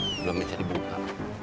belum bisa dibuka